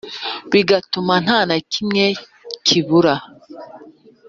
bigatuma nta na kimwe kibura.